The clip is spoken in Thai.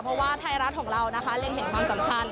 เพราะว่าไทยรัฐของเรานะคะเล็งเห็นความสำคัญ